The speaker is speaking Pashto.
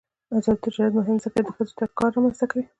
آزاد تجارت مهم دی ځکه چې ښځو ته کار رامنځته کوي.